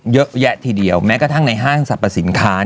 เยอะแยะทีเดียวแม้กระทั่งในห้างสรรพสินค้า